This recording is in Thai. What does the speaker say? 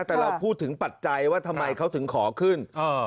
แต่เราพูดถึงปัจจัยว่าทำไมเขาถึงขอขึ้น